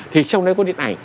thì trong đấy có điện ảnh